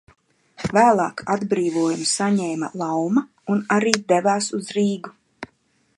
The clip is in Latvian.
Vēlāk atbrīvojumu saņēma Lauma un arī devās uz Rīgu.